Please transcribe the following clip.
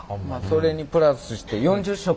それにプラスして４０色。